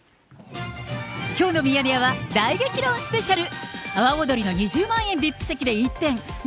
きょうのミヤネ屋は、大激論スペシャル。